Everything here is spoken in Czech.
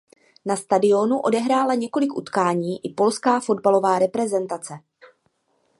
Na stadionu odehrála několik utkání i polská fotbalová reprezentace.